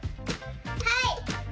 はい！